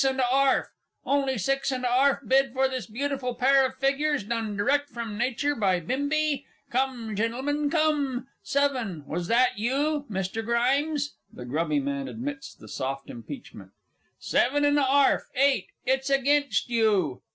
And a 'arf! Only six and a 'arf bid for this beautiful pair of figures, done direct from nature by Bimbi. Come, Gentlemen, come! Seven! Was that you, MR. GRIMES? (THE GRUBBY MAN admits the soft impeachment.) Seven and a 'arf. Eight! It's against you.